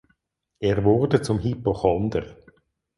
Er wurde zum Hypochonder.